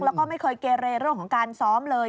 แล้วก็ไม่เคยเกเรเรื่องของการซ้อมเลย